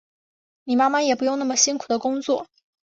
你妈妈也不用那么辛苦的工作